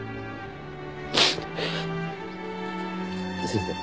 先生。